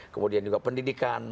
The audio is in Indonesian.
kemudian juga pendidikan